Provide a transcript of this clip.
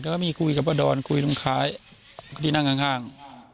ก็มีคุยกับป้าดอนคุยลุงคล้ายที่นั่งข้าง